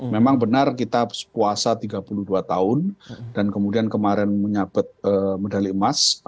memang benar kita puasa tiga puluh dua tahun dan kemudian kemarin menyabet medali emas